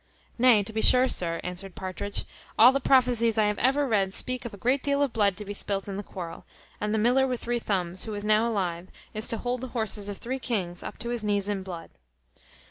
"Nay, to be sure, sir," answered Partridge, "all the prophecies I have ever read speak of a great deal of blood to be spilt in the quarrel, and the miller with three thumbs, who is now alive, is to hold the horses of three kings, up to his knees in blood.